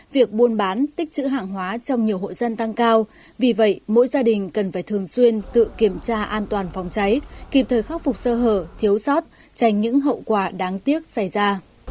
việc buôn bán tích chữ hàng hóa trong nhiều hộ dân tăng cao vì vậy mỗi gia đình cần phải thường xuyên tự kiểm tra an toàn phòng cháy kịp thời khắc phục sơ hở thiếu sót tránh những hậu quả đáng tiếc xảy ra